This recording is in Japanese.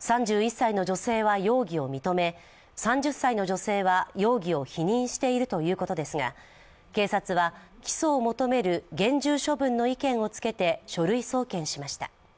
３１歳の女性は容疑を認め３０歳の女性は容疑を否認しているということですが、警察は起訴を求める厳重処分の意見をつけて書類送検しました。